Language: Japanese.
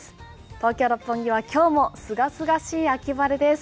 東京・六本木は今日も清々しい秋晴れです。